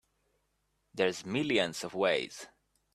There's millions of ways.